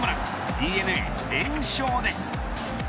ＤｅＮＡ連勝です。